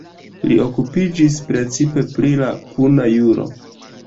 Li okupiĝis precipe pri la puna juro.